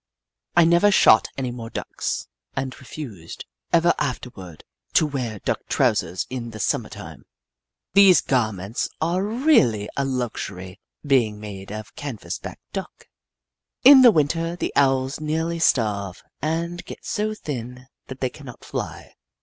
I never shot any more Ducks, and refused, ever Coquetting like lovers on a moonlight night Hoot Mon 205 afterward, to wear Duck trousers in the Sum mer time. These garments are really a luxury, being made of canvasback Duck. In the Winter, the Owls nearly starve, and get so thin that they cannot fly.